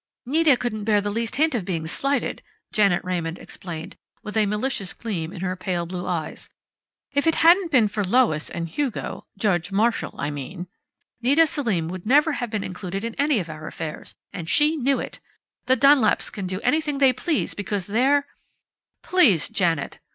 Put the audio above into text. '" "Nita couldn't bear the least hint of being slighted," Janet Raymond explained, with a malicious gleam in her pale blue eyes. "If it hadn't been for Lois and Hugo Judge Marshall, I mean Nita Selim would never have been included in any of our affairs and she knew it! The Dunlaps can do anything they please, because they're " "Please, Janet!"